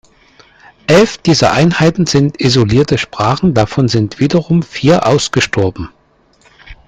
Elf dieser Einheiten sind isolierte Sprachen, davon sind wiederum vier ausgestorben.